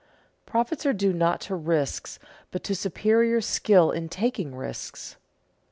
Profits are due not to risks, but to superior skill in taking risks.